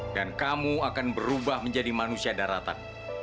dan kamu akan berubah menjadi manusia daratak